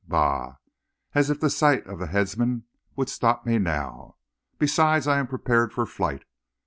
Bah! as if the sight of the headsman would stop me now. Besides, I am prepared for flight.